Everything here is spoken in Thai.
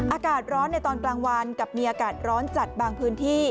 อากาศร้อนในตอนกลางวันกับมีอากาศร้อนจัดบางพื้นที่